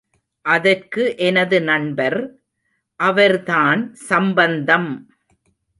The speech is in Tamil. அதற்கு எனது நண்பர், அவர்தான் சம்பந்தம்!